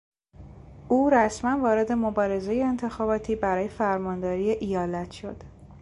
او رسما وارد مبارزهی انتخاباتی برای فرمانداری ایالت شد.